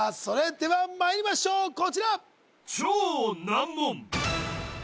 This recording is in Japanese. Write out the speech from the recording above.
それではまいりましょうこちら